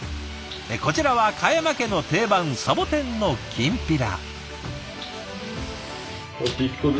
こちらは嘉山家の定番サボテンのきんぴら。